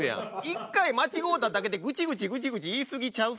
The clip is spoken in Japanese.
一回間違うただけでグチグチグチグチ言い過ぎちゃう？